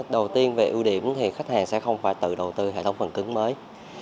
đầu tiên về ưu điểm thì khách hàng sẽ không phải tự đầu tư hệ thống phần cứng mới